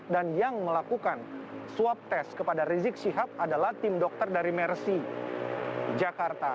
dan yang melakukan swab test kepada rizik siap adalah tim dokter dari mersi jakarta